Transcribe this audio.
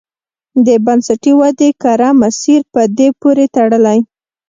د بنسټي ودې کره مسیر په دې پورې تړلی.